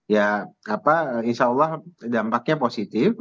ya insya allah dampaknya positif